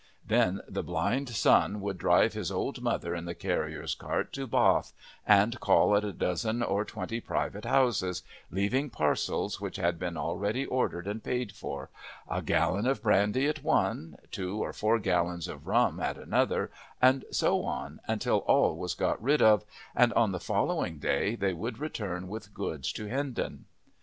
Then the blind son would drive his old mother in the carrier's cart to Bath and call at a dozen or twenty private houses, leaving parcels which had been already ordered and paid for a gallon of brandy at one, two or four gallons of rum at another, and so on, until all was got rid of, and on the following day they would return with goods to Hindon.